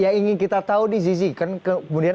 yang ingin kita tahu nih zizi kan kemudian